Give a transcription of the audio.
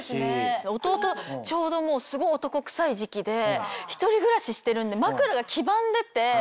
弟ちょうど男くさい時期で１人暮らししてるんで枕が黄ばんでて。